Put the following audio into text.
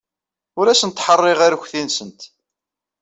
Ur asent-ḥerriɣ arekti-nsent.